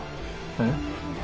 えっ？